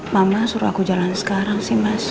mama suruh aku jalan sekarang sih mas